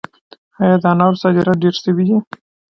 آیا د انارو صادرات ډیر شوي دي؟